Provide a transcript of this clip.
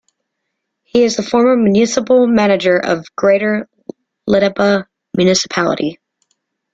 He is the former municipal manager of Greater Letaba Municipality.